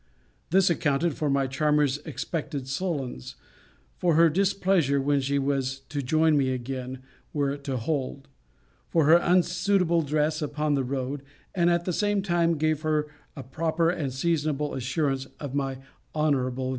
This accounted for my charmer's expected sullens; for her displeasure when she was to join me again, were it to hold; for her unsuitable dress upon the road; and, at the same time, gave her a proper and seasonable assurance of my honourable views.